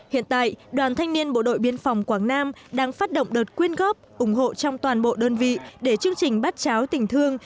hiện tại đoàn thanh niên bộ đội biên phòng quảng nam đang phát động đợt quyên góp ủng hộ trong toàn bộ đơn vị để chương trình bát cháo tình thương